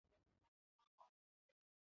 阿拉法特山又称为仁慈山。